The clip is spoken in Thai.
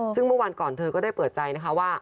ซึ่งเมื่อวันก่อนเธอก็ได้เปิดใจนะคะว่า